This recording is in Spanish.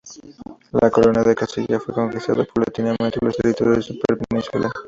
La Corona de Castilla fue conquistando paulatinamente los territorios del sur peninsular.